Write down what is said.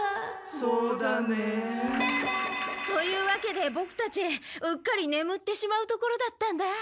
そうだね。というわけでボクたちうっかりねむってしまうところだったんだ。